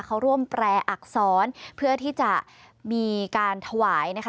เขาร่วมแปรอักษรเพื่อที่จะมีการถวายนะคะ